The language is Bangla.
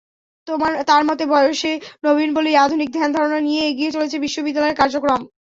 তাঁর মতে, বয়সে নবীন বলেই আধুনিক ধ্যানধারণা নিয়ে এগিয়ে চলেছে বিশ্ববিদ্যালয়ের কার্যক্রম।